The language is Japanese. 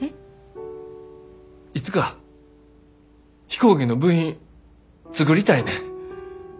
いつか飛行機の部品作りたいねん。